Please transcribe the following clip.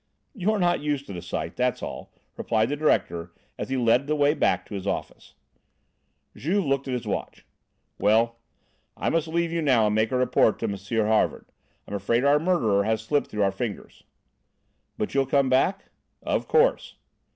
"You're not used to the sight, that's all," replied the director, as he led the way back to his office. Juve looked at his watch. "Well, I must leave you now and make a report to M. Havard. I'm afraid the murderer has slipped through our fingers." "But you'll come back?" "Of course."